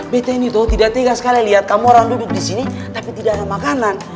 betta ini tuh tidak tegas sekali liat kamu orang duduk disini tapi tidak ada makanan